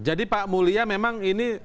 jadi pak mulia memang ini